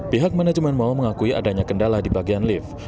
pihak manajemen mal mengakui adanya kendala di bagian lift